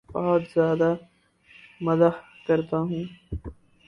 بہت زیادہ مزاح کرتا ہوں